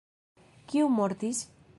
Kiu mortis?